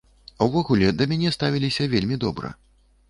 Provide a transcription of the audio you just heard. Увогуле, да мяне ставіліся вельмі добра.